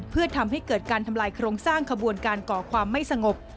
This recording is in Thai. เพื่อทำให้เกิดการทำลายโครงสร้างขบวนการก่อความไม่สงบ